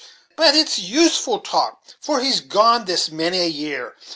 but it's useless to talk, for he's gone this many a year.